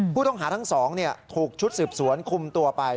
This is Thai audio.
ผู้ต้องหาทั้งสองถูกชุดสืบสวนคุมตัวไป